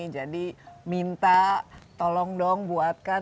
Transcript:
jadi minta tolong dong buatkan